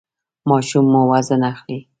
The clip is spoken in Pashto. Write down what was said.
ماشوم مو وزن اخلي؟